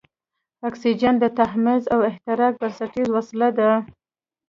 اکسیجن د تحمض او احتراق بنسټیزه وسیله ده.